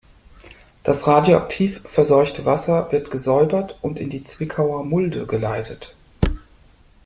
Das radioaktiv verseuchte Wasser wird gesäubert und in die Zwickauer Mulde geleitet.